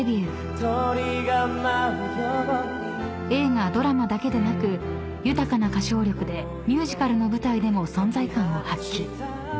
［映画・ドラマだけでなく豊かな歌唱力でミュージカルの舞台でも存在感を発揮］